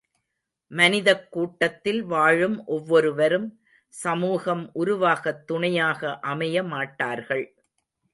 மனிதக் கூட்டத்தில் வாழும் ஒவ்வொருவரும் சமூகம் உருவாகத் துணையாக அமைய மாட்டார்கள்.